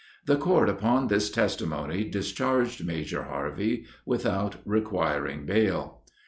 The Court, upon this testimony, discharged Major Harvey without requiring bail.